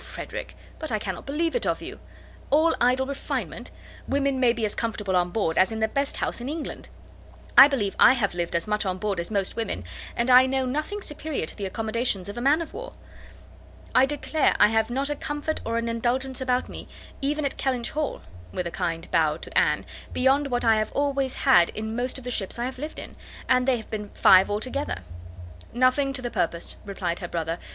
Frederick! But I cannot believe it of you.—All idle refinement!—Women may be as comfortable on board, as in the best house in England. I believe I have lived as much on board as most women, and I know nothing superior to the accommodations of a man of war. I declare I have not a comfort or an indulgence about me, even at Kellynch Hall," (with a kind bow to Anne), "beyond what I always had in most of the ships I have lived in; and they have been five altogether." "Nothing to the purpose," replied her brother.